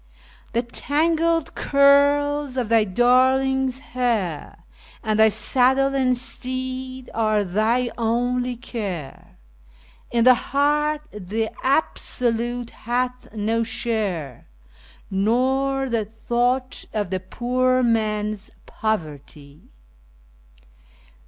The tangled curls of thy darling's hair, and thy saddle and teed are thy only care; In thy heart the Absolute hath no share, nor the thought of the poor man's poverty.